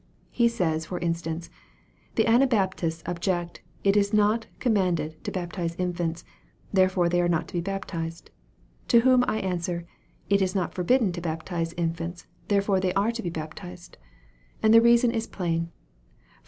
He says, for instance, " The Anabaptists object, ' it is not commanded to baptize infants therefore they are not to be baptized.' To whom I answer, ' it is not forbiddei to \ aptize infants therefore they are to 206 EXPOSITORY THOUGHTS. The subject may be safely left here.